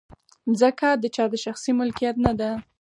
مځکه د چا د شخصي ملکیت نه ده.